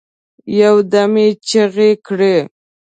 یو دم یې چیغي کړې